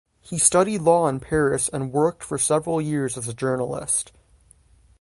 He studied law in Paris and worked for several years as a journalist.